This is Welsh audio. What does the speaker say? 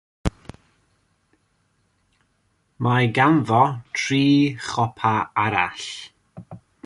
Mae ganddo dri chopa arall.